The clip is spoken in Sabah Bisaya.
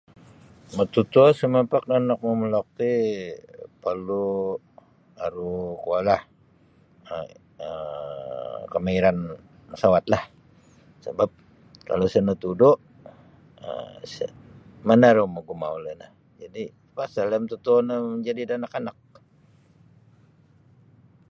Matatuo sumapak da anak momulok ti parlu aru kuo lah um kamairan masawat lah sabab kalau isa natudu um isa mana iro mau gumaul ino jadi paksalah matotuo no majadi da anak-anak.